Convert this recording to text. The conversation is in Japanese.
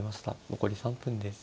残り３分です。